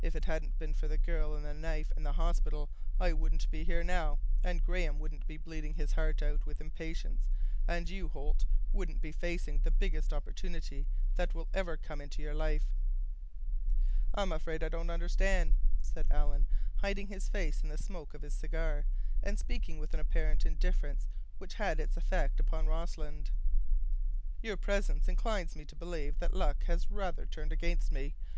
If it hadn't been for the girl and the knife and the hospital, I wouldn't be here now, and Graham wouldn't be bleeding his heart out with impatience—and you, Holt, wouldn't be facing the biggest opportunity that will ever come into your life." "I'm afraid I don't understand," said Alan, hiding his face in the smoke of his cigar and speaking with an apparent indifference which had its effect upon Rossland. "Your presence inclines me to believe that luck has rather turned against me.